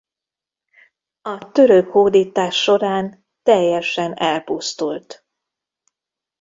A török hódítás során teljesen elpusztult.